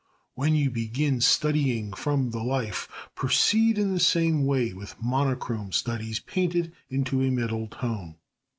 When you begin studying from the life, proceed in the same way with monochrome studies painted into a middle tone.